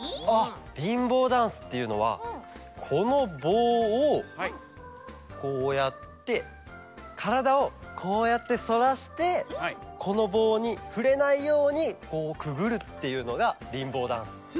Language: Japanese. あっリンボーダンスっていうのはこのぼうをこうやってからだをこうやってそらしてこのぼうにふれないようにこうくぐるっていうのがリンボーダンス。